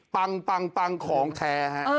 ปังของแท้ฮะ